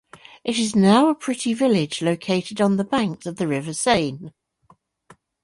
It is now a pretty village located on the banks of the river Seine.